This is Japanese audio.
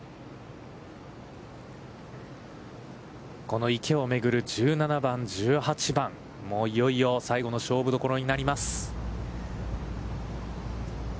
この池をめぐる１７番１８番、いよいよ最後の勝負どころになります。